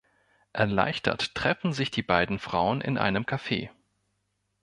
Erleichtert treffen sich die beiden Frauen in einem Kaffee.